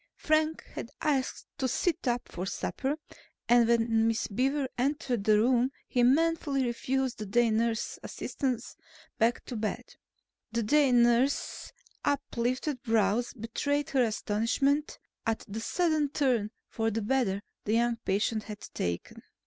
Frank had asked to sit up for supper and when Miss Beaver entered the room he manfully refused the day nurse's assistance back to bed. The day nurse's up lifted brows betrayed her astonishment at the sudden turn for the better the young patient had taken.